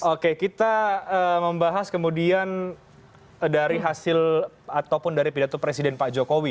oke kita membahas kemudian dari hasil ataupun dari pidato presiden pak jokowi